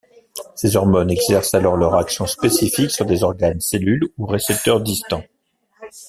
Ces hormones exercent alors leur action spécifique sur des organes cellules ou récepteur distants.